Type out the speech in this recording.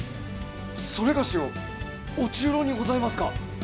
それがしを御中臈にございますか！？